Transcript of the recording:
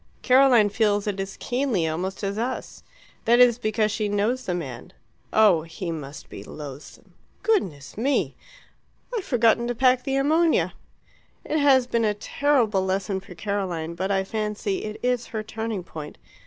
"Caroline feels it as keenly almost as us. That is because she knows the man. Oh, he must be loathsome! Goodness me! I've forgotten to pack the ammonia!... It has been a terrible lesson for Caroline, but I fancy it is her turning point.